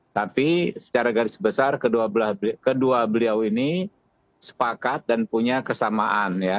tapi secara garis besar kedua beliau ini sepakat dan punya kesamaan ya